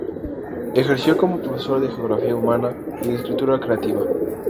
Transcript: Ejerció como profesor de Geografía Humana y de escritura creativa.